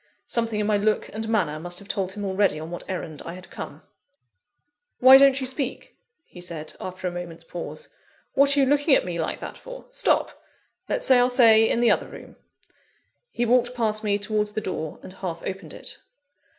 Something in my look and manner must have told him already on what errand I had come. "Why don't you speak?" he said, after a moment's pause. "What are you looking at me like that for? Stop! Let's say our say in the other room." He walked past me towards the door, and half opened it.